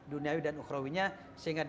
duniawi dan ukrawinya sehingga